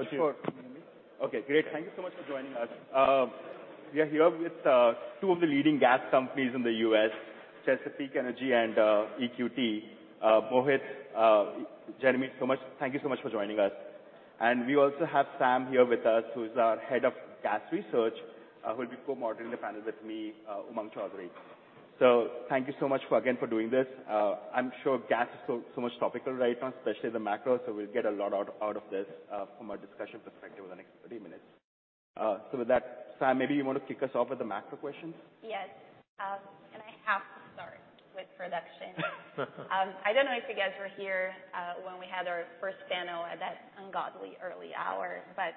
Thank you for joining me. Thank you. Okay. Great. Thank you so much for joining us. We are here with two of the leading gas companies in the US, Chesapeake Energy and EQT. Mohit, Jeremy, thank you so much for joining us. And we also have Sam here with us, who's our head of gas research, who'll be co-moderating the panel with me, Umang Choudhury. So thank you so much again for doing this. I'm sure gas is so much topical right now, especially the macro, so we'll get a lot out of this from our discussion perspective in the next 30 minutes. So with that, Sam, maybe you wanna kick us off with the macro questions? Yes. And I have to start with production. I don't know if you guys were here when we had our first panel at that ungodly early hour, but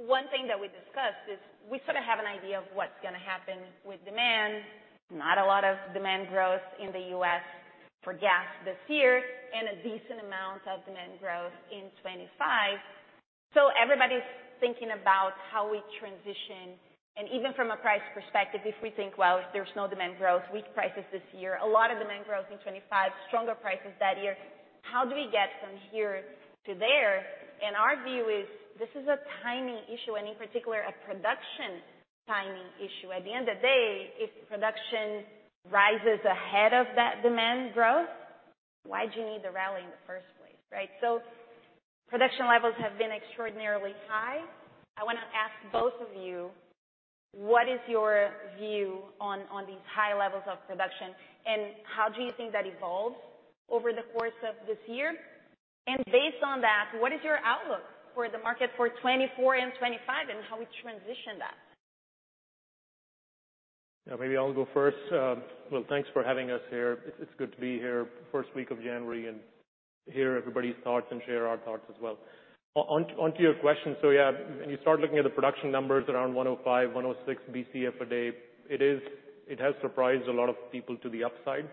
one thing that we discussed is we sort of have an idea of what's gonna happen with demand, not a lot of demand growth in the U.S. for gas this year, and a decent amount of demand growth in 2025. So everybody's thinking about how we transition, and even from a price perspective, if we think, well, if there's no demand growth, weak prices this year, a lot of demand growth in 2025, stronger prices that year, how do we get from here to there? And our view is this is a timing issue, and in particular, a production timing issue. At the end of the day, if production rises ahead of that demand growth, why do you need the rally in the first place, right? So production levels have been extraordinarily high. I wanna ask both of you, what is your view on, on these high levels of production, and how do you think that evolves over the course of this year, and based on that, what is your outlook for the market for 2024 and 2025, and how we transition that? Yeah. Maybe I'll go first. Well, thanks for having us here. It's good to be here, first week of January, and hear everybody's thoughts and share our thoughts as well. Onto your question. So yeah, when you start looking at the production numbers around 105-106 BCF/d, it has surprised a lot of people to the upside.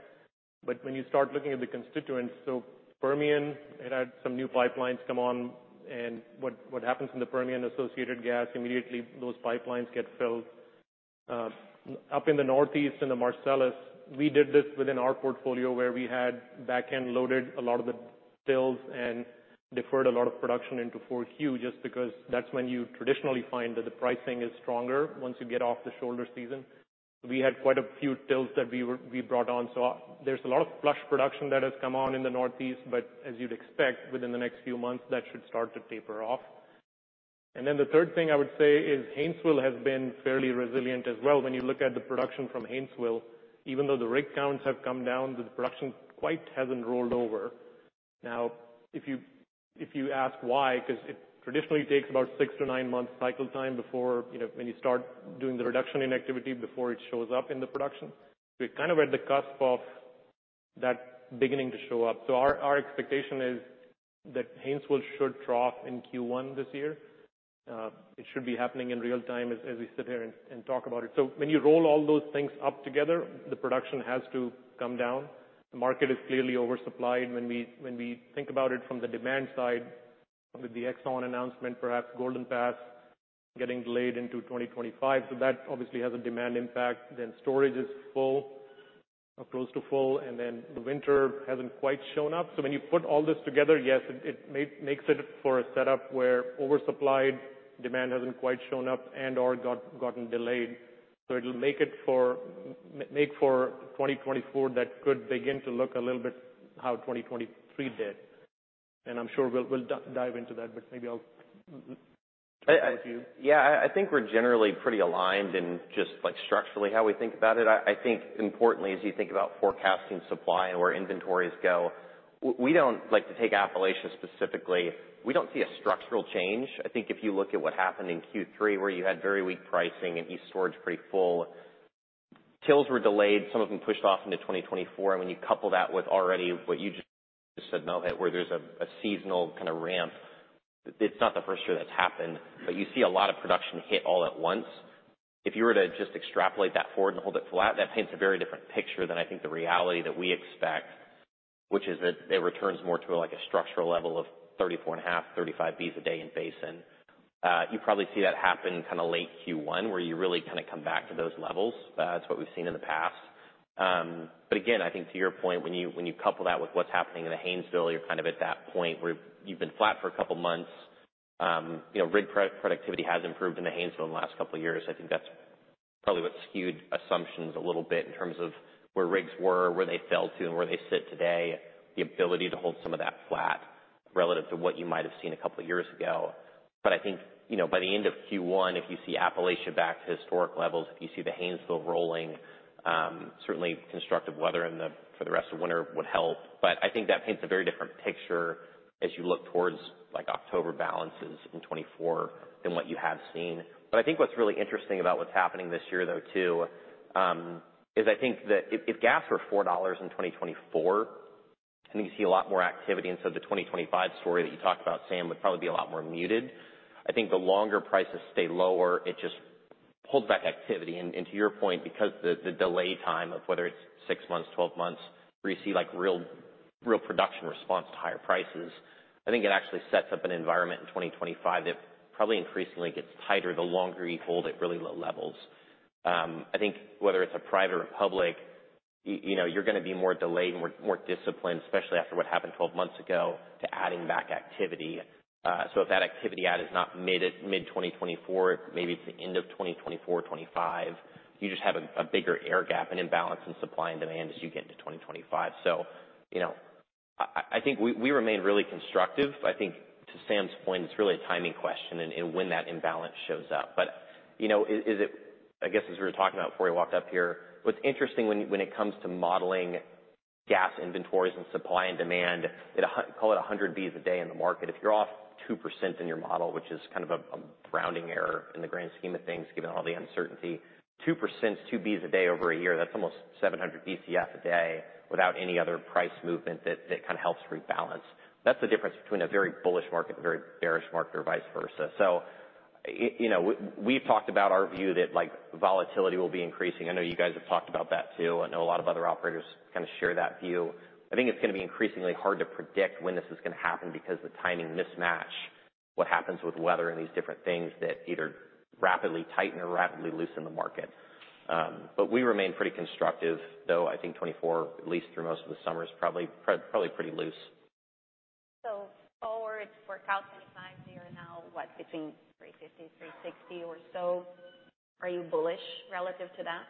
But when you start looking at the constituents, so Permian, it had some new pipelines come on, and what happens in the Permian associated gas, immediately those pipelines get filled up in the northeast in the Marcellus. We did this within our portfolio where we had backend loaded a lot of the TILs and deferred a lot of production into 4Q just because that's when you traditionally find that the pricing is stronger once you get off the shoulder season. We had quite a few TILs that we brought on. So there's a lot of flush production that has come on in the northeast, but as you'd expect, within the next few months, that should start to taper off. And then the third thing I would say is Haynesville has been fairly resilient as well. When you look at the production from Haynesville, even though the rig counts have come down, the production quite hasn't rolled over. Now, if you ask why, 'cause it traditionally takes about six to nine months cycle time before, you know, when you start doing the reduction in activity before it shows up in the production, we're kind of at the cusp of that beginning to show up. So our expectation is that Haynesville should trough in Q1 this year. It should be happening in real time as we sit here and talk about it. So when you roll all those things up together, the production has to come down. The market is clearly oversupplied when we think about it from the demand side, with the Exxon announcement, perhaps Golden Pass getting delayed into 2025. So that obviously has a demand impact. Then storage is full, close to full, and then the winter hasn't quite shown up. So when you put all this together, yes, it makes for a setup where oversupplied demand hasn't quite shown up and/or gotten delayed. So it'll make for 2024 that could begin to look a little bit how 2023 did. And I'm sure we'll dive into that, but maybe I'll try with you. Yeah, I think we're generally pretty aligned in just, like, structurally how we think about it. I think importantly as you think about forecasting supply and where inventories go, we don't like to take Appalachia specifically. We don't see a structural change. I think if you look at what happened in Q3 where you had very weak pricing and storage pretty full, TILs were delayed, some of them pushed off into 2024. When you couple that with already what you just said, Mohit, where there's a seasonal kinda ramp, it's not the first year that's happened, but you see a lot of production hit all at once. If you were to just extrapolate that forward and hold it flat, that paints a very different picture than I think the reality that we expect, which is that it returns more to, like, a structural level of 34 and a half, 35 Bcf/d in basin. You probably see that happen kinda late Q1 where you really kinda come back to those levels. That's what we've seen in the past. But again, I think to your point, when you couple that with what's happening in the Haynesville, you're kind of at that point where you've been flat for a couple months. You know, rig productivity has improved in the Haynesville in the last couple years. I think that's probably what skewed assumptions a little bit in terms of where rigs were, where they fell to, and where they sit today, the ability to hold some of that flat relative to what you might have seen a couple years ago, but I think, you know, by the end of Q1, if you see Appalachia back to historic levels, if you see the Haynesville rolling, certainly constructive weather in the for the rest of winter would help, but I think that paints a very different picture as you look towards, like, October balances in 2024 than what you have seen, but I think what's really interesting about what's happening this year though too is I think that if, if gas were $4 in 2024, I think you see a lot more activity. And so the 2025 story that you talked about, Sam, would probably be a lot more muted. I think the longer prices stay lower, it just holds back activity. And to your point, because the delay time of whether it's six months, 12 months, where you see, like, real production response to higher prices, I think it actually sets up an environment in 2025 that probably increasingly gets tighter the longer you hold at really low levels. I think whether it's a private or a public, you know, you're gonna be more delayed and more disciplined, especially after what happened 12 months ago, to adding back activity. So if that activity add is not mid-2024, maybe it's the end of 2024, 2025, you just have a bigger air gap, an imbalance in supply and demand as you get into 2025. So, you know, I think we remain really constructive. I think to Sam's point, it's really a timing question and when that imbalance shows up. But, you know, isn't it, I guess, as we were talking about before you walked up here, what's interesting when it comes to modeling gas inventories and supply and demand. It's, call it 100 BCF a day in the market. If you're off 2% in your model, which is kind of a rounding error in the grand scheme of things given all the uncertainty, 2%, 2 BCF a day over a year, that's almost 700 BCF a day without any other price movement that kinda helps rebalance. That's the difference between a very bullish market, a very bearish market, or vice versa. So, you know, we've talked about our view that, like, volatility will be increasing. I know you guys have talked about that too. I know a lot of other operators kinda share that view. I think it's gonna be increasingly hard to predict when this is gonna happen because the timing mismatch, what happens with weather and these different things that either rapidly tighten or rapidly loosen the market. But we remain pretty constructive though. I think 2024, at least through most of the summer, is probably probably pretty loose. Forward for calculating time, you're now what, between 350, 360 or so? Are you bullish relative to that?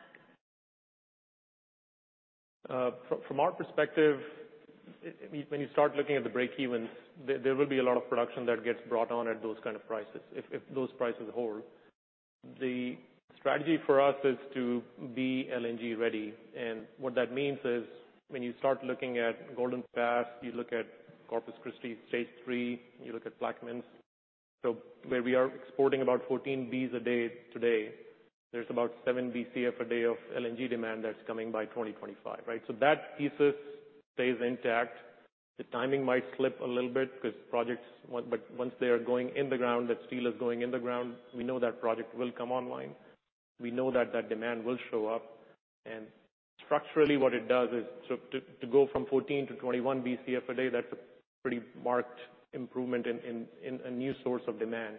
From our perspective, I mean, when you start looking at the breakevens, there will be a lot of production that gets brought on at those kind of prices if those prices hold. The strategy for us is to be LNG ready. And what that means is when you start looking at Golden Pass, you look at Corpus Christi Stage 3, you look at Plaquemines. So where we are exporting about 14 BCF a day today, there's about 7 BCF a day of LNG demand that's coming by 2025, right? So that thesis stays intact. The timing might slip a little bit 'cause projects, but once they are going in the ground, that steel is going in the ground, we know that project will come online. We know that that demand will show up. Structurally, what it does is to go from 14 to 21 BCF a day. That's a pretty marked improvement in a new source of demand.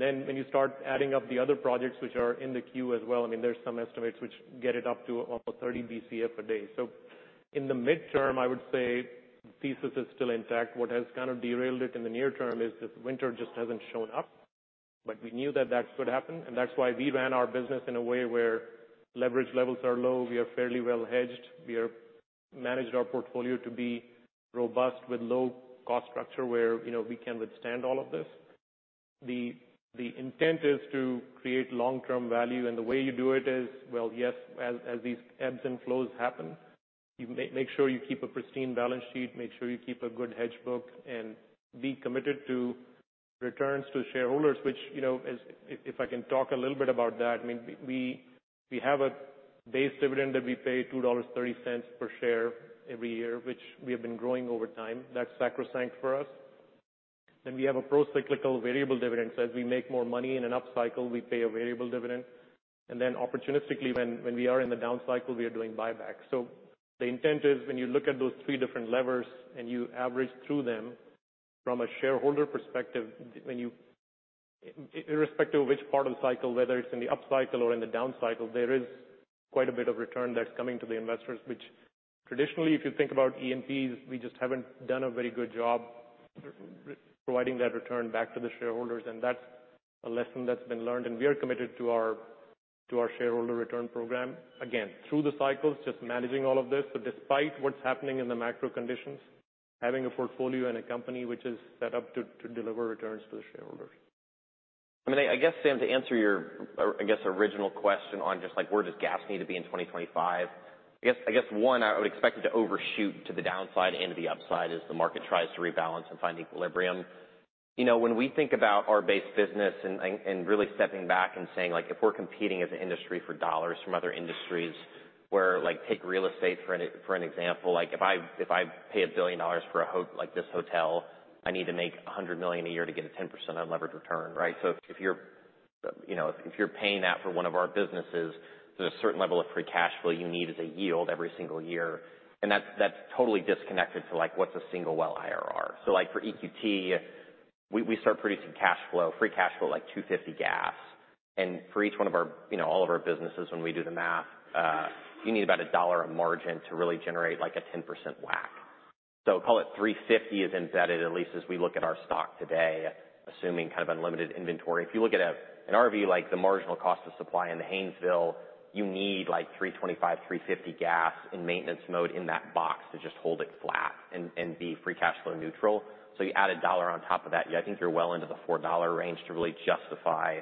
Then when you start adding up the other projects which are in the queue as well, I mean, there's some estimates which get it up to almost 30 BCF a day, so in the midterm, I would say the thesis is still intact. What has kind of derailed it in the near term is this winter just hasn't shown up, but we knew that that could happen. That's why we ran our business in a way where leverage levels are low. We are fairly well hedged. We have managed our portfolio to be robust with low cost structure where, you know, we can withstand all of this. The intent is to create long-term value. The way you do it is, as these ebbs and flows happen, you make sure you keep a pristine balance sheet, make sure you keep a good hedge book, and be committed to returns to shareholders, which, you know, as if, if I can talk a little bit about that, I mean, we have a base dividend that we pay $2.30 per share every year, which we have been growing over time. That's sacrosanct for us. Then we have a procyclical variable dividend. So as we make more money in an upcycle, we pay a variable dividend. And then opportunistically, when we are in the downcycle, we are doing buyback. So the intent is, when you look at those three different levers and you average through them from a shareholder perspective, irrespective of which part of the cycle, whether it's in the upcycle or in the downcycle, there is quite a bit of return that's coming to the investors, which traditionally, if you think about E&Ps, we just haven't done a very good job providing that return back to the shareholders. And that's a lesson that's been learned. And we are committed to our shareholder return program, again, through the cycles, just managing all of this. So despite what's happening in the macro conditions, having a portfolio and a company which is set up to deliver returns to the shareholders. I mean, I guess, Sam, to answer your original question on just, like, where does gas need to be in 2025, I guess, one, I would expect it to overshoot to the downside and to the upside as the market tries to rebalance and find equilibrium. You know, when we think about our base business and really stepping back and saying, like, if we're competing as an industry for dollars from other industries where, like, take real estate for an example, like, if I pay $1 billion for a hotel like this hotel, I need to make $100 million a year to get a 10% on leverage return, right? So if you're, you know, if you're paying that for one of our businesses, there's a certain level of free cash flow you need as a yield every single year. And that's totally disconnected to, like, what's a single well IRR. So, like, for EQT, we start producing cash flow, free cash flow, like $2.50 gas. And for each one of our, you know, all of our businesses, when we do the math, you need about $1 of margin to really generate, like, a 10% WACC. So call it $3.50 is embedded, at least as we look at our stock today, assuming kind of unlimited inventory. If you look at, in our view, like, the marginal cost of supply in the Haynesville, you need, like, $3.25-$3.50 gas in maintenance mode in that box to just hold it flat and be free cash flow neutral. So you add a dollar on top of that, I think you're well into the $4 range to really justify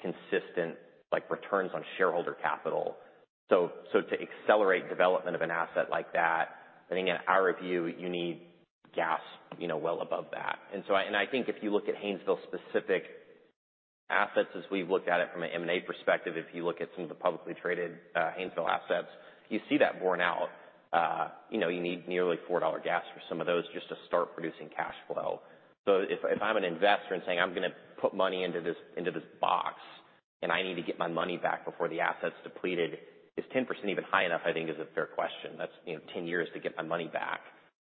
consistent, like, returns on shareholder capital. So to accelerate development of an asset like that, I think in our view, you need gas, you know, well above that. And so I think if you look at Haynesville-specific assets, as we've looked at it from an M&A perspective, if you look at some of the publicly traded, Haynesville assets, you see that borne out, you know, you need nearly $4 gas for some of those just to start producing cash flow. So if I'm an investor and saying, "I'm gonna put money into this box, and I need to get my money back before the asset's depleted," is 10% even high enough, I think, is a fair question. That's, you know, 10 years to get my money back,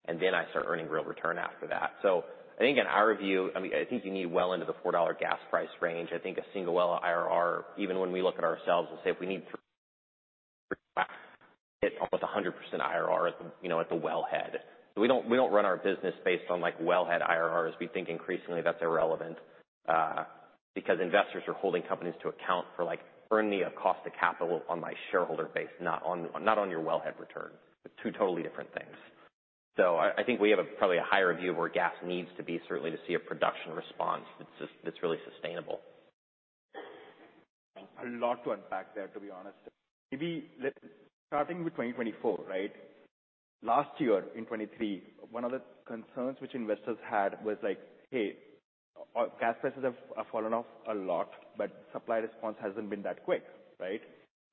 and then I start earning real return after that. So I think in our view, I mean, I think you need well into the $4 gas price range. I think a single well IRR, even when we look at ourselves, we'll say if we need, it's almost 100% IRR at the, you know, at the wellhead. So we don't run our business based on, like, wellhead IRRs. We think increasingly that's irrelevant, because investors are holding companies to account for, like, earn me a cost of capital on my shareholder base, not on your wellhead return. It's two totally different things. So I think we have probably a higher view of where gas needs to be certainly to see a production response that's really sustainable. Thank you. A lot to unpack there, to be honest. Maybe let's start with 2024, right? Last year in 2023, one of the concerns which investors had was, like, "Hey, our gas prices have fallen off a lot, but supply response hasn't been that quick," right?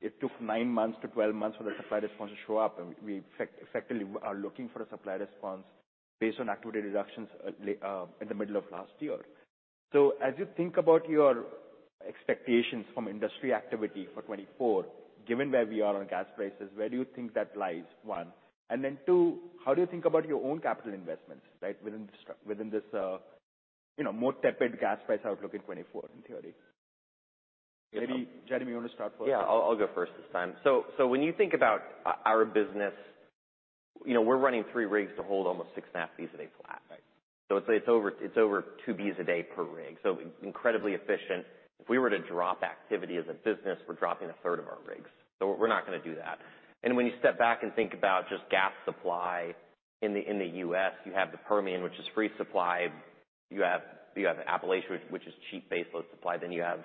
It took nine months to 12 months for the supply response to show up. And we effectively were looking for a supply response based on activity reductions, late in the middle of last year. So as you think about your expectations from industry activity for 2024, given where we are on gas prices, where do you think that lies, one? And then two, how do you think about your own capital investments, right, within this, you know, more tepid gas price outlook in 2024 in theory? Maybe Jeremy, you wanna start first? Yeah. I'll go first this time, so when you think about our business, you know, we're running three rigs to hold almost six and a half Bcf a day flat. Right. So it's over 2 BCF a day per rig. So incredibly efficient. If we were to drop activity as a business, we're dropping a third of our rigs. So we're not gonna do that. And when you step back and think about just gas supply in the U.S., you have the Permian, which is free supply. You have Appalachia, which is cheap baseload supply. Then you have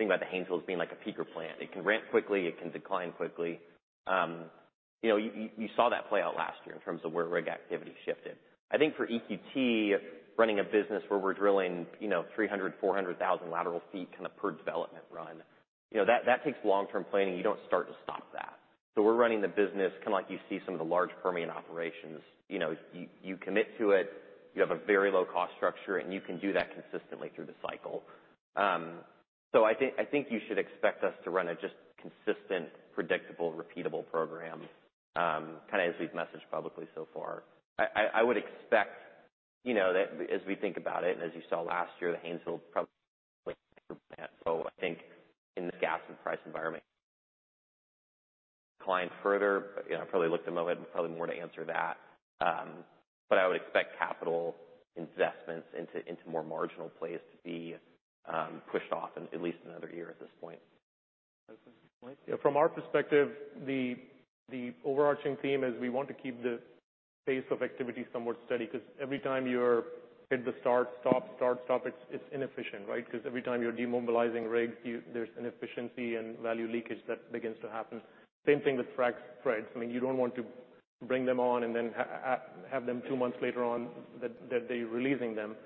to think about the Haynesville as being like a peaker plant. It can ramp quickly. It can decline quickly. You know, you saw that play out last year in terms of where rig activity shifted. I think for EQT, running a business where we're drilling, you know, 300-400 thousand lateral feet kinda per development run, you know, that takes long-term planning. You don't start and stop that. We're running the business kinda like you see some of the large Permian operations. You know, you commit to it. You have a very low-cost structure, and you can do that consistently through the cycle. I think you should expect us to run a just consistent, predictable, repeatable program, kinda as we've messaged publicly so far. I would expect, you know, that as we think about it, and as you saw last year, the Haynesville probably. I think in the gas and price environment, decline further. But you know, I probably looked ahead more to answer that. I would expect capital investments into more marginal plays to be pushed off in at least another year at this point. Okay. Mike. Yeah. From our perspective, the overarching theme is we want to keep the pace of activity somewhat steady 'cause every time you hit the start, stop, start, stop, it's inefficient, right? 'Cause every time you're demobilizing rigs, there's inefficiency and value leakage that begins to happen. Same thing with frac spreads. I mean, you don't want to bring them on and then have them two months later on that they're releasing them.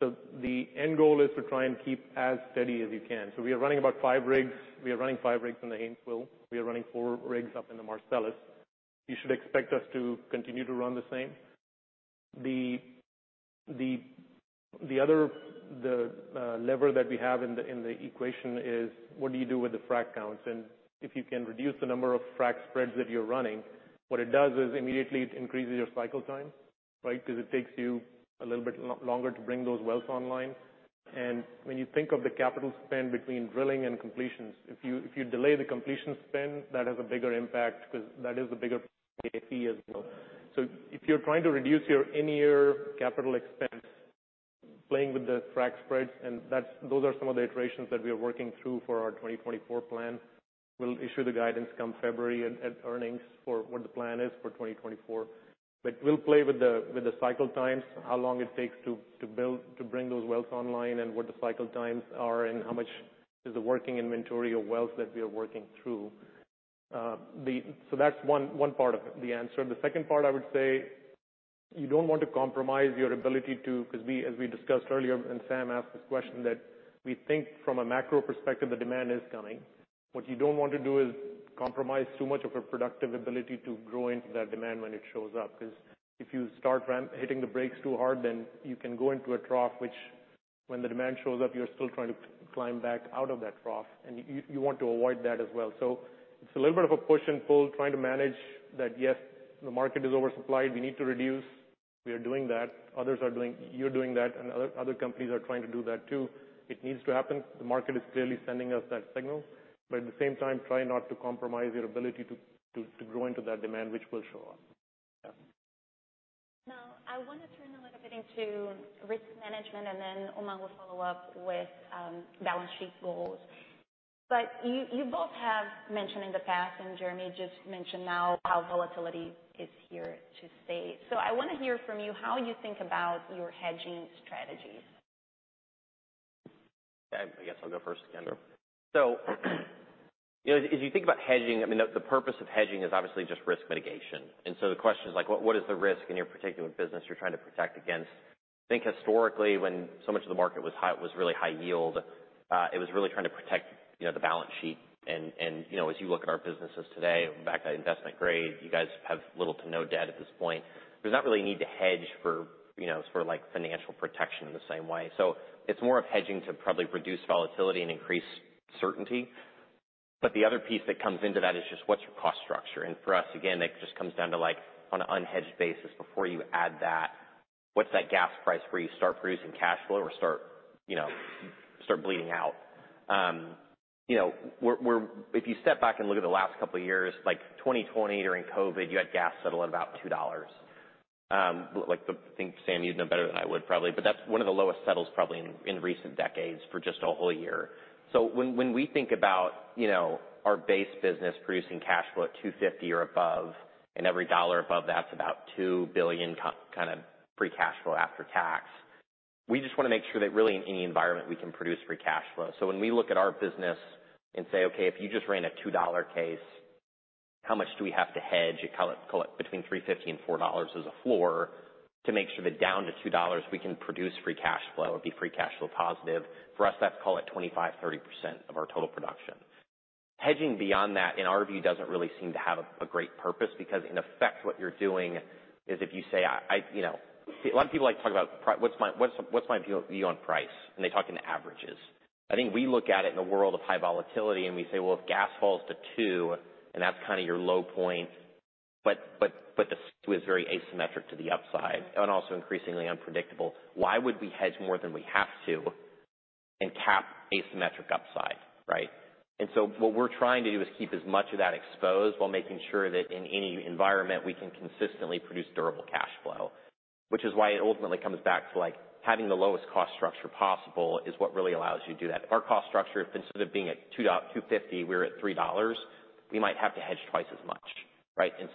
So the end goal is to try and keep as steady as you can. So we are running about five rigs. We are running five rigs in the Haynesville. We are running four rigs up in the Marcellus. You should expect us to continue to run the same. The other lever that we have in the equation is what do you do with the frac crews? If you can reduce the number of frac spreads that you're running, what it does is immediately it increases your cycle time, right, 'cause it takes you a little bit longer to bring those wells online. When you think of the capital spend between drilling and completions, if you delay the completion spend, that has a bigger impact 'cause that is the bigger cap as well. If you're trying to reduce your in-year capital expense, playing with the frac spreads, and that's some of the iterations that we are working through for our 2024 plan. We'll issue the guidance come February at earnings for what the plan is for 2024. But we'll play with the cycle times, how long it takes to build to bring those wells online and what the cycle times are and how much is the working inventory of wells that we are working through. So that's one part of the answer. The second part, I would say, you don't want to compromise your ability to 'cause we, as we discussed earlier, and Sam asked this question, that we think from a macro perspective, the demand is coming. What you don't want to do is compromise too much of a productive ability to grow into that demand when it shows up 'cause if you start ramp hitting the brakes too hard, then you can go into a trough, which when the demand shows up, you're still trying to climb back out of that trough. You want to avoid that as well. So it's a little bit of a push and pull, trying to manage that. Yes, the market is oversupplied. We need to reduce. We are doing that. Others are doing. You're doing that, and other companies are trying to do that too. It needs to happen. The market is clearly sending us that signal. But at the same time, try not to compromise your ability to grow into that demand, which will show up. Yeah. Now, I wanna turn a little bit into risk management, and then Umang will follow up with balance sheet goals. But you both have mentioned in the past, and Jeremy just mentioned now, how volatility is here to stay. So I wanna hear from you how you think about your hedging strategies. Yeah. I guess I'll go first, Kendra. So, you know, as you think about hedging, I mean, the purpose of hedging is obviously just risk mitigation. And so the question is, like, what is the risk in your particular business you're trying to protect against? I think historically, when so much of the market was high was really high yield, it was really trying to protect, you know, the balance sheet. And you know, as you look at our businesses today, back to investment grade, you guys have little to no debt at this point. There's not really a need to hedge for, you know, like, financial protection in the same way. So it's more of hedging to probably reduce volatility and increase certainty. But the other piece that comes into that is just what's your cost structure? And for us, again, it just comes down to, like, on an unhedged basis, before you add that, what's that gas price where you start producing cash flow or, you know, start bleeding out? You know, if you step back and look at the last couple of years, like 2020 during COVID, you had gas settle at about $2. Like, I think, Sam, you'd know better than I would probably, but that's one of the lowest settles probably in recent decades for just a whole year. So when we think about, you know, our base business producing cash flow at $2.50 or above, and every dollar above that's about $2 billion of kind of free cash flow after tax, we just wanna make sure that really in any environment we can produce free cash flow. So when we look at our business and say, "Okay. If you just ran a $2 case, how much do we have to hedge?" Call it between $3.50-$4 as a floor to make sure that down to $2 we can produce free cash flow or be free cash flow positive. For us, that's call it 25%-30% of our total production. Hedging beyond that, in our view, doesn't really seem to have a great purpose because, in effect, what you're doing is if you say, "you know, a lot of people like to talk about what's my view on price," and they talk in averages. I think we look at it in the world of high volatility, and we say, "Well, if gas falls to $2, and that's kinda your low point, but the curve was very asymmetric to the upside and also increasingly unpredictable, why would we hedge more than we have to and cap asymmetric upside," right? And so what we're trying to do is keep as much of that exposed while making sure that in any environment we can consistently produce durable cash flow, which is why it ultimately comes back to, like, having the lowest cost structure possible is what really allows you to do that. If our cost structure instead of being at $2.00-$2.50, we were at $3, we might have to hedge twice as much, right? And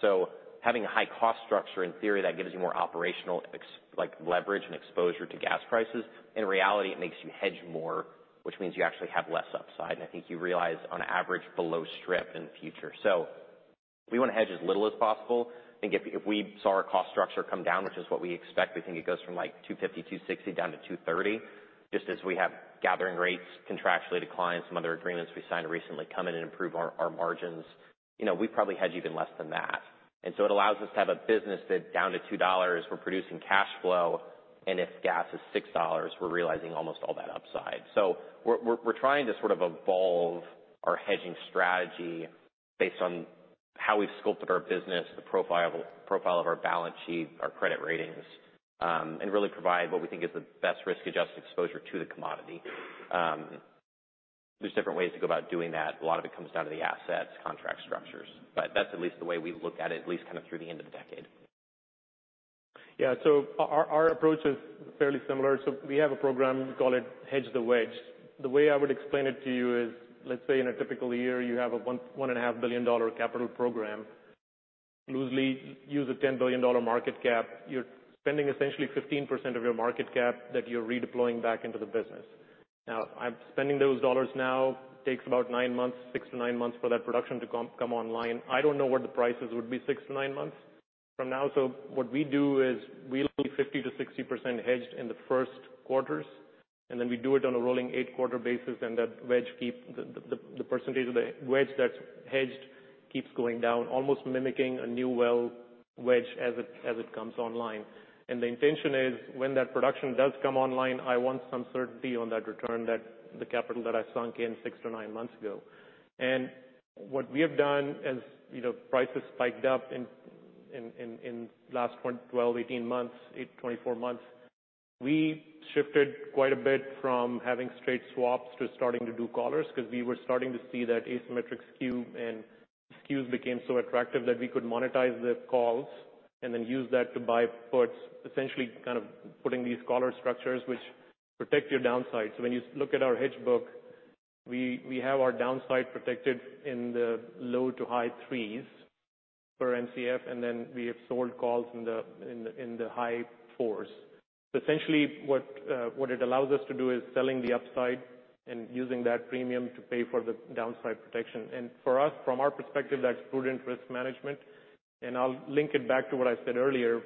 so having a high cost structure, in theory, that gives you more operational flexibility like, leverage and exposure to gas prices. In reality, it makes you hedge more, which means you actually have less upside. And I think you realize, on average, below strip in the future. So we wanna hedge as little as possible. I think if we saw our cost structure come down, which is what we expect, we think it goes from, like, $2.50-$2.60 down to $2.30, just as we have gathering rates, contractually declined, some other agreements we signed recently come in and improve our margins, you know, we probably hedge even less than that. And so it allows us to have a business that down to $2, we're producing cash flow, and if gas is $6, we're realizing almost all that upside. We're trying to sort of evolve our hedging strategy based on how we've sculpted our business, the profile of our balance sheet, our credit ratings, and really provide what we think is the best risk-adjusted exposure to the commodity. There's different ways to go about doing that. A lot of it comes down to the assets, contract structures. But that's at least the way we look at it, at least kinda through the end of the decade. Yeah. Our approach is fairly similar. So we have a program. We call it Hedge the Wedge. The way I would explain it to you is, let's say in a typical year, you have a $1.5 billion capital program. Loosely, use a $10 billion market cap. You're spending essentially 15% of your market cap that you're redeploying back into the business. Now, I'm spending those dollars now. It takes about nine months, six to nine months, for that production to come online. I don't know what the prices would be six to nine months from now. So what we do is we'll be 50%-60% hedged in the first quarters, and then we do it on a rolling eight-quarter basis. And that wedge, the percentage of the wedge that's hedged keeps going down, almost mimicking a new well wedge as it comes online. The intention is when that production does come online, I want some certainty on that return, that the capital that I sunk in six to nine months ago. And what we have done, as you know, prices spiked up in the last 12-18 months or 24 months, we shifted quite a bit from having straight swaps to starting to do collars 'cause we were starting to see that asymmetric skew and skews became so attractive that we could monetize the calls and then use that to buy puts, essentially kind of putting these collar structures, which protect your downside. So when you look at our hedge book, we have our downside protected in the low to high threes per MCF, and then we have sold calls in the high fours. Essentially, what it allows us to do is selling the upside and using that premium to pay for the downside protection. And for us, from our perspective, that's prudent risk management. And I'll link it back to what I said earlier.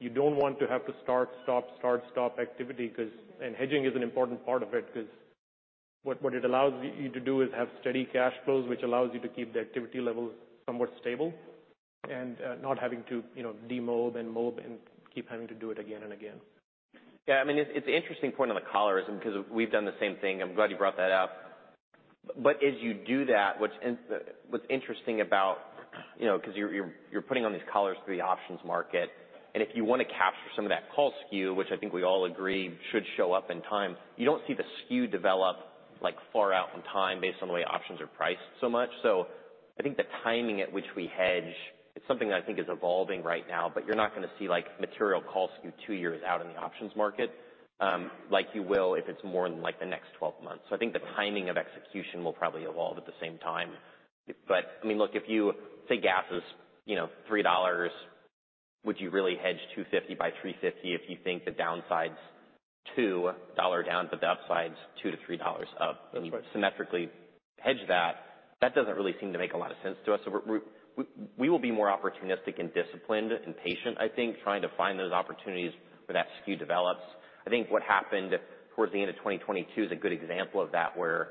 You don't want to have to start, stop activity 'cause hedging is an important part of it 'cause what it allows you to do is have steady cash flows, which allows you to keep the activity level somewhat stable and not having to, you know, demob and mob and keep having to do it again and again. Yeah. I mean, it's an interesting point on the collars 'cause we've done the same thing. I'm glad you brought that up. But as you do that, what's interesting about, you know, 'cause you're putting on these collars through the options market, and if you wanna capture some of that call skew, which I think we all agree should show up in time, you don't see the skew develop, like, far out in time based on the way options are priced so much. So I think the timing at which we hedge, it's something that I think is evolving right now, but you're not gonna see, like, material call skew two years out in the options market, like you will if it's more in, like, the next 12 months. So I think the timing of execution will probably evolve at the same time. But, I mean, look, if you say gas is, you know, $3, would you really hedge 250 by 350 if you think the downside's $2 down but the upside's 2 to $3 up? That's right. You symmetrically hedge that. That doesn't really seem to make a lot of sense to us. So we will be more opportunistic and disciplined and patient, I think, trying to find those opportunities where that skew develops. I think what happened towards the end of 2022 is a good example of that where,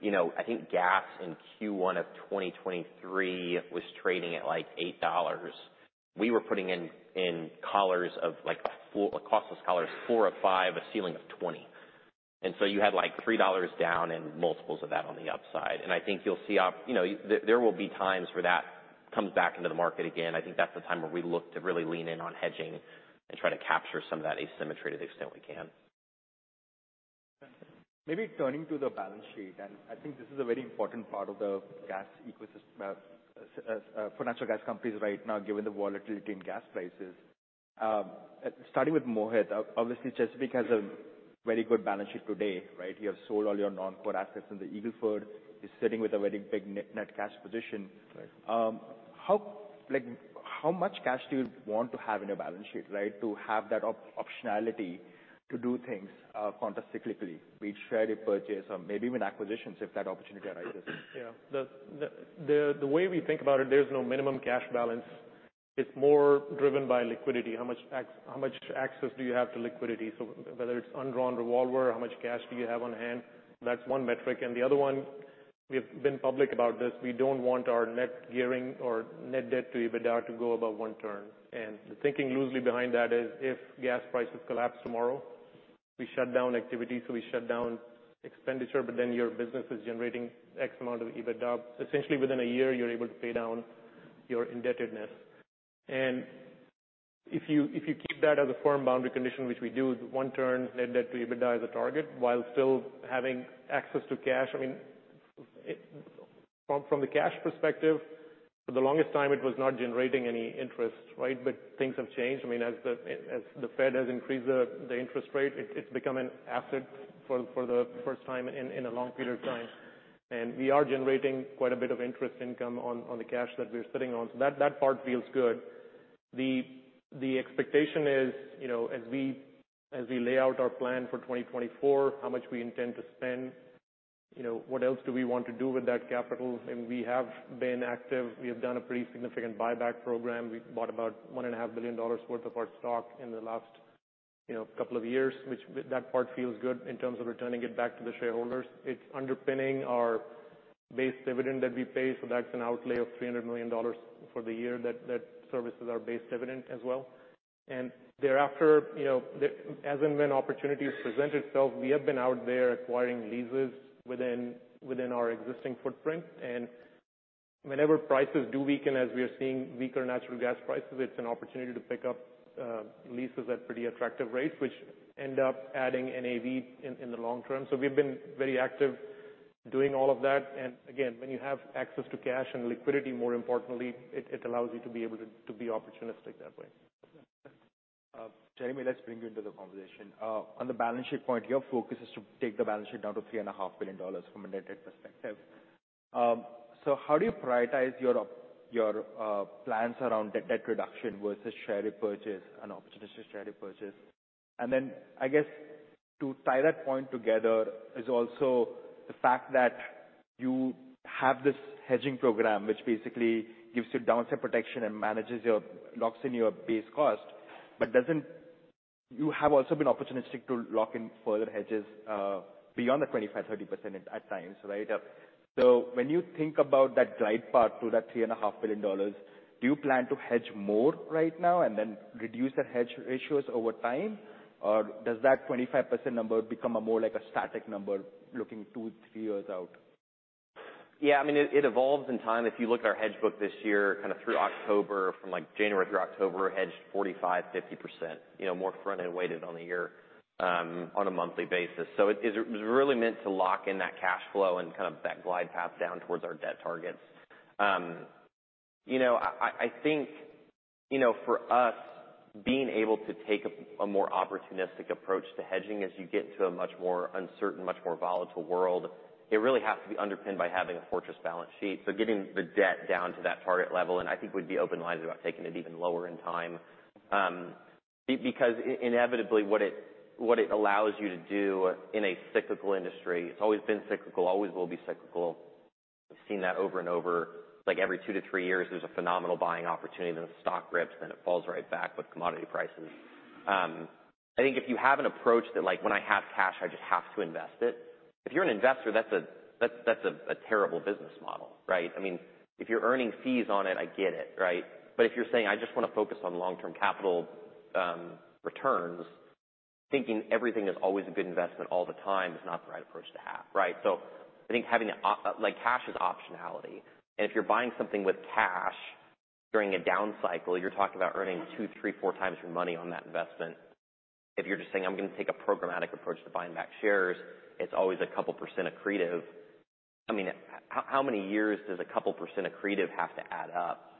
you know, I think gas in Q1 of 2023 was trading at, like, $8. We were putting in collars of, like, a floor, a costless collars, $4 or $5, a ceiling of $20. And so you had, like, $3 down and multiples of that on the upside. I think you'll see, you know, there will be times where that comes back into the market again. I think that's the time where we look to really lean in on hedging and try to capture some of that asymmetry to the extent we can. Maybe turning to the balance sheet, and I think this is a very important part of the gas ecosystem, financial gas companies right now, given the volatility in gas prices. Starting with Mohit, obviously, Chesapeake has a very good balance sheet today, right? You have sold all your non-core assets in the Eagle Ford. You're sitting with a very big net net cash position. Right. How, like, how much cash do you want to have in your balance sheet, right, to have that optionality to do things, quantitatively be it share repurchase or maybe even acquisitions if that opportunity arises? Yeah. The way we think about it, there's no minimum cash balance. It's more driven by liquidity. How much access do you have to liquidity? So whether it's undrawn revolver, how much cash do you have on hand? That's one metric. And the other one, we have been public about this. We don't want our net gearing or net debt to EBITDA to go above one turn. And the thinking loosely behind that is if gas prices collapse tomorrow, we shut down activity. So we shut down expenditure, but then your business is generating X amount of EBITDA. Essentially, within a year, you're able to pay down your indebtedness. And if you keep that as a firm boundary condition, which we do, one turn, net debt to EBITDA as a target while still having access to cash, I mean, it from the cash perspective, for the longest time, it was not generating any interest, right? But things have changed. I mean, as the Fed has increased the interest rate, it's become an asset for the first time in a long period of time. And we are generating quite a bit of interest income on the cash that we're sitting on. So that part feels good. The expectation is, you know, as we lay out our plan for 2024, how much we intend to spend, you know, what else do we want to do with that capital? I mean, we have been active. We have done a pretty significant buyback program. We bought about $1.5 billion worth of our stock in the last, you know, couple of years, which that part feels good in terms of returning it back to the shareholders. It's underpinning our base dividend that we pay. So that's an outlay of $300 million for the year that services our base dividend as well. And thereafter, you know, the as and when opportunity has presented itself, we have been out there acquiring leases within our existing footprint. And whenever prices do weaken, as we are seeing weaker natural gas prices, it's an opportunity to pick up leases at pretty attractive rates, which end up adding NAV in the long term. So we've been very active doing all of that. Again, when you have access to cash and liquidity, more importantly, it allows you to be able to be opportunistic that way. Jeremy, let's bring you into the conversation. On the balance sheet point, your focus is to take the balance sheet down to $3.5 billion from a net debt perspective. How do you prioritize your plans around debt reduction versus share repurchase and opportunistic share repurchase? And then, I guess, to tie that point together is also the fact that you have this hedging program, which basically gives you downside protection and locks in your base cost, but you have also been opportunistic to lock in further hedges, beyond the 25%-30% at times, right? When you think about that glide path to that $3.5 billion, do you plan to hedge more right now and then reduce the hedge ratios over time, or does that 25% number become a more like a static number looking two, three years out? Yeah. I mean, it evolves in time. If you look at our hedge book this year, kinda through October, from, like, January through October, we're hedged 45%-50%, you know, more front-end weighted on the year, on a monthly basis. So it was really meant to lock in that cash flow and kind of that glide path down towards our debt targets. You know, I think, you know, for us, being able to take a more opportunistic approach to hedging as you get into a much more uncertain, much more volatile world, it really has to be underpinned by having a fortress balance sheet. So getting the debt down to that target level, and I think we'd be open-minded about taking it even lower in time, because inevitably, what it allows you to do in a cyclical industry, it's always been cyclical, always will be cyclical. We've seen that over and over. It's like every two to three years, there's a phenomenal buying opportunity, then the stock rips, then it falls right back with commodity prices. I think if you have an approach that, like, when I have cash, I just have to invest it, if you're an investor, that's a terrible business model, right? I mean, if you're earning fees on it, I get it, right? But if you're saying, "I just wanna focus on long-term capital, returns," thinking everything is always a good investment all the time is not the right approach to have, right? So I think having the oil-like cash is optionality. And if you're buying something with cash during a down cycle, you're talking about earning two, three, four times your money on that investment. If you're just saying, "I'm gonna take a programmatic approach to buying back shares," it's always a couple % accretive. I mean, how many years does a couple % accretive have to add up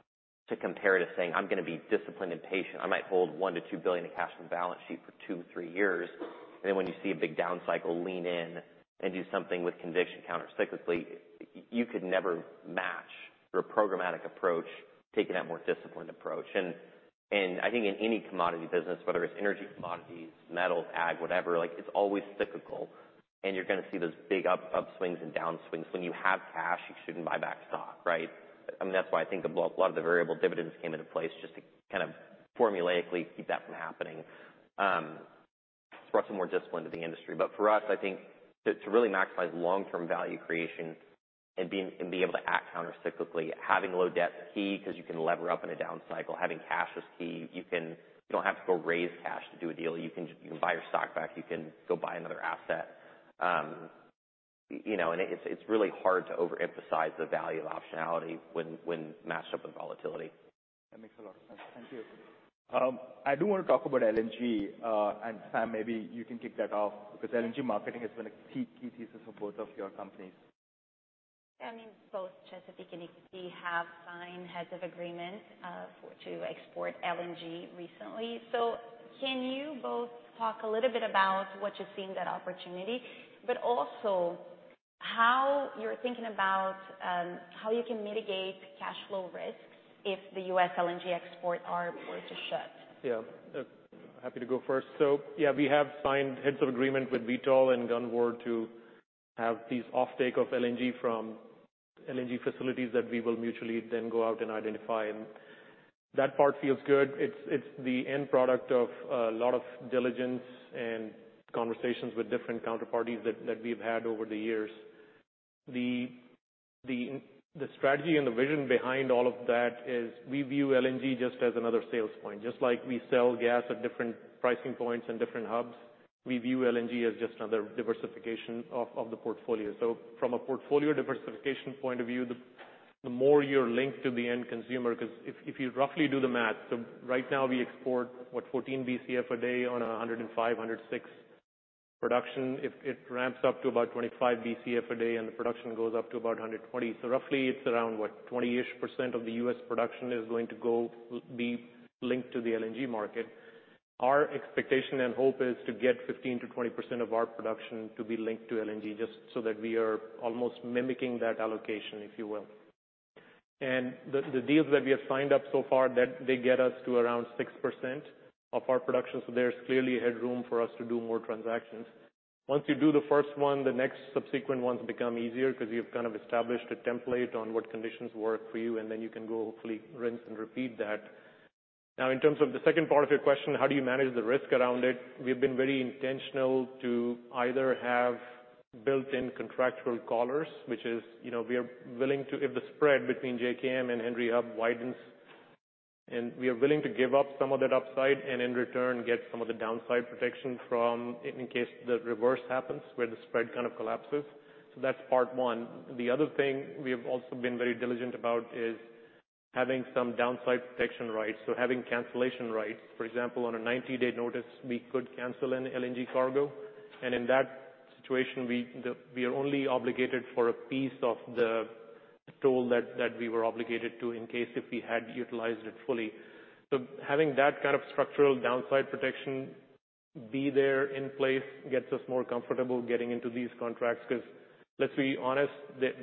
to compare to saying, "I'm gonna be disciplined and patient. I might hold $1-2 billion in cash on the balance sheet for two, three years." And then when you see a big down cycle, lean in and do something with conviction countercyclically. You could never match through a programmatic approach taking that more disciplined approach. I think in any commodity business, whether it's energy commodities, metal, ag, whatever, like, it's always cyclical, and you're gonna see those big up swings and down swings. When you have cash, you shouldn't buy back stock, right? I mean, that's why I think a lot of the variable dividends came into place just to kind of formulaically keep that from happening, to bring some more discipline to the industry. But for us, I think to really maximize long-term value creation and be able to act countercyclically, having low debt's key 'cause you can lever up in a down cycle. Having cash is key. You don't have to go raise cash to do a deal. You can buy your stock back. You can go buy another asset. You know, and it's really hard to overemphasize the value of optionality when matched up with volatility. That makes a lot of sense. Thank you. I do wanna talk about LNG, and Sam, maybe you can kick that off because LNG marketing has been a key, key thesis for both of your companies. Yeah. I mean, both Chesapeake and EQT have signed Heads of Agreement for to export LNG recently. So can you both talk a little bit about what you've seen that opportunity, but also how you're thinking about, how you can mitigate cash flow risks if the U.S. LNG exports were to shut? Yeah. Happy to go first. So yeah, we have signed heads of agreement with Vitol and Gunvor to have these offtake of LNG from LNG facilities that we will mutually then go out and identify. And that part feels good. It's the end product of a lot of diligence and conversations with different counterparties that we've had over the years. The strategy and the vision behind all of that is we view LNG just as another sales point. Just like we sell gas at different pricing points and different hubs, we view LNG as just another diversification of the portfolio. So from a portfolio diversification point of view, the more you're linked to the end consumer 'cause if you roughly do the math, so right now we export, what, 14 BCF a day on a 105, 106 production. If it ramps up to about 25 BCF a day and the production goes up to about 120, so roughly it's around, what, 20-ish% of the U.S. production is going to go be linked to the LNG market. Our expectation and hope is to get 15%-20% of our production to be linked to LNG just so that we are almost mimicking that allocation, if you will. And the deals that we have signed up so far, that they get us to around 6% of our production. So there's clearly headroom for us to do more transactions. Once you do the first one, the next subsequent ones become easier 'cause you've kind of established a template on what conditions work for you, and then you can go hopefully rinse and repeat that. Now, in terms of the second part of your question, how do you manage the risk around it? We've been very intentional to either have built-in contractual collars, which is, you know, we are willing to if the spread between JKM and Henry Hub widens, and we are willing to give up some of that upside and in return get some of the downside protection from in case the reverse happens where the spread kind of collapses. So that's part one. The other thing we have also been very diligent about is having some downside protection rights. So having cancellation rights. For example, on a 90-day notice, we could cancel an LNG cargo. And in that situation, we are only obligated for a piece of the toll that we were obligated to in case if we had utilized it fully. Having that kind of structural downside protection being in place gets us more comfortable getting into these contracts 'cause let's be honest,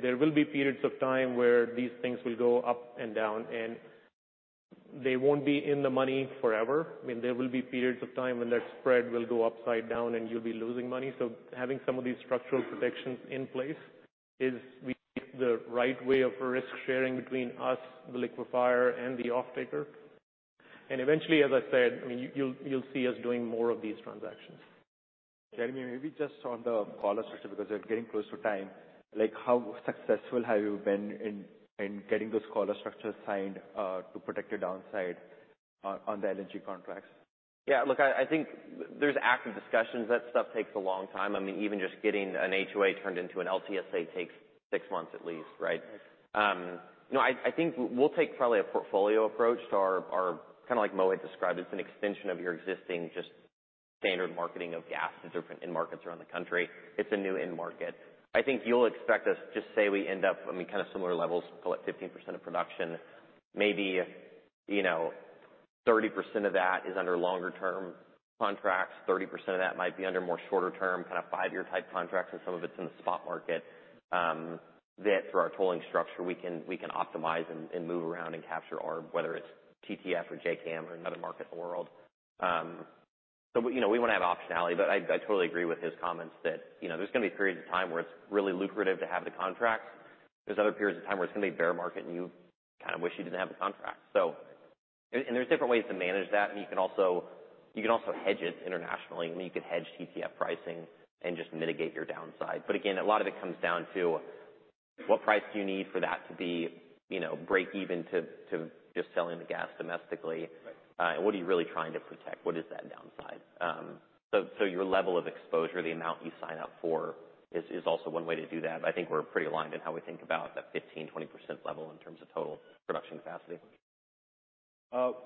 there will be periods of time where these things will go up and down, and they won't be in the money forever. I mean, there will be periods of time when that spread will go upside down and you'll be losing money. Having some of these structural protections in place is the right way of risk sharing between us, the liquefier, and the offtaker. Eventually, as I said, I mean, you'll see us doing more of these transactions. Jeremy, maybe just on the collar structure because we're getting close to time. Like, how successful have you been in getting those collar structures signed, to protect your downside on the LNG contracts? Yeah. Look, I think there's active discussions. That stuff takes a long time. I mean, even just getting an HOA turned into an LTSA takes six months at least, right? Right. You know, I think we'll take probably a portfolio approach to our kinda like Mohit described. It's an extension of your existing just standard marketing of gas in different markets around the country. It's a new in-market. I think you'll expect us, just say we end up, I mean, kind of similar levels, call it 15% of production. Maybe, you know, 30% of that is under longer-term contracts. 30% of that might be under more shorter-term, kinda five-year-type contracts, and some of it's in the spot market, that through our tolling structure we can optimize and move around and capture our whether it's TTF or JKM or another market in the world, but you know, we wanna have optionality. I totally agree with his comments that, you know, there's gonna be periods of time where it's really lucrative to have the contracts. There's other periods of time where it's gonna be bear market and you kinda wish you didn't have the contract. So, and there's different ways to manage that. And you can also hedge it internationally. I mean, you could hedge TTF pricing and just mitigate your downside. But again, a lot of it comes down to what price do you need for that to be, you know, break even to just selling the gas domestically? Right. And what are you really trying to protect? What is that downside? So your level of exposure, the amount you sign up for is also one way to do that. But I think we're pretty aligned in how we think about that 15%-20% level in terms of total production capacity.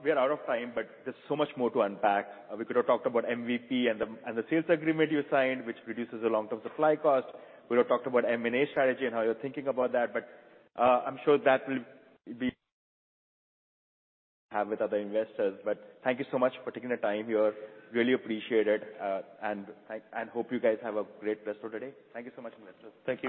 We are out of time, but there's so much more to unpack. We could have talked about MVP and the sales agreement you signed, which reduces the long-term supply cost. We've talked about M&A strategy and how you're thinking about that. But I'm sure that will be had with other investors. But thank you so much for taking the time. We really appreciate it. And hope you guys have a great rest of today. Thank you so much, investors. Thank you.